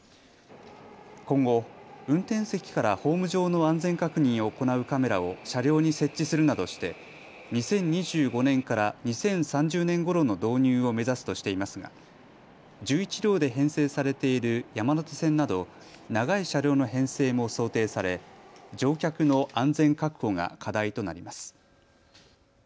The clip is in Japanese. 今後、運転席からホーム上の安全確認を行うカメラを車両に設置するなどして２０２５年から２０３０年ごろの導入を目指すとしていますが１１両で編成されている山手線など長い車両の編成も想定され乗客の安全確保が課題となります。